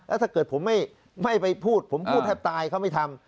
ถ้าเกิดผมไม่ไปพูดผมพูดถ้าตายเขาไม่ทำ